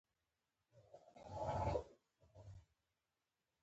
هغې یو په یو ټول بالښتونه په کوچ ترتیب کړل